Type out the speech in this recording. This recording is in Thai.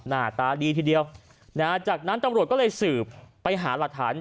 หน้าตาดีทีเดียวนะฮะจากนั้นตำรวจก็เลยสืบไปหาหลักฐาน